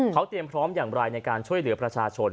เขาเตรียมพร้อมอย่างไรในการช่วยเหลือประชาชน